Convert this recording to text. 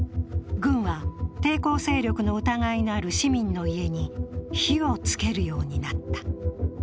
軍は抵抗勢力の疑いのある市民の家に火をつけるようになった。